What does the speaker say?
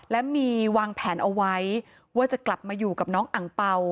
และมีวางแผนเอาไว้ว่าจะกลับมาอยู่กับน้องอังเป่า